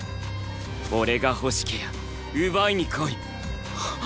俺が欲しけりゃ奪いに来い。